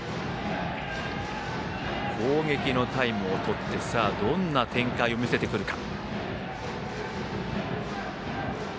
攻撃のタイムをとってどんな展開を見せてくるか。